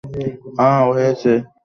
আহ, হয়েছে।